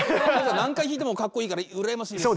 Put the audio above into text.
何回弾いてもかっこいいから羨ましいです。